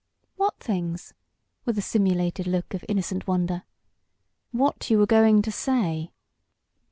"What things?" with a simulated look of innocent wonder. "What you were going to say!"